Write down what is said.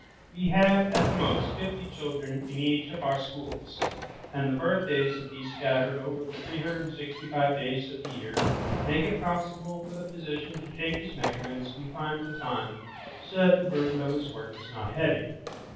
We have, at the most, fifty children in each of our schools, and the birthdays of these scattered over the 365 days of the year make it possible for the physician to take his measurements from time to time, so that the burden of his work is not heavy.